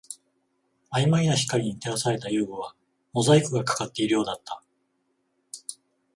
曖昧な光に照らされた遊具はモザイクがかかっているようだった